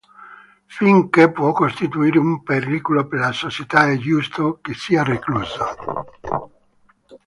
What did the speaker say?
Finché può costituire un pericolo per la società, è giusto che sia recluso.